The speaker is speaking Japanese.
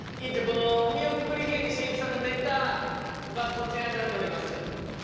このお見送り芸人しんいちさんのネタがこちらになっております。